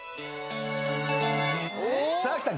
さあきた。